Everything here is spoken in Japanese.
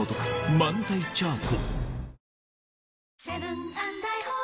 「漫才チャート」